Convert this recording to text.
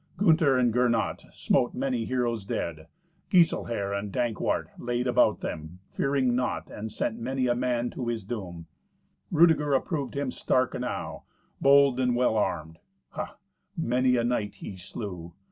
Gunther and Gernot smote many heroes dead. Giselher and Dankwart laid about them, fearing naught, and sent many a man to his doom. Rudeger approved him stark enow, bold and well armed. Ha! many a knight he slew!